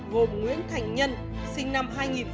gồm nguyễn thành nhân sinh năm hai nghìn hai